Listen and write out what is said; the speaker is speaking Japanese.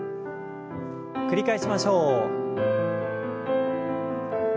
繰り返しましょう。